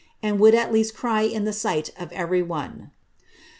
and would at least cry In the sight of every one."